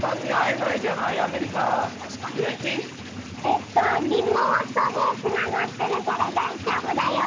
えっとリモートでつながってるからだいじょうぶだよ。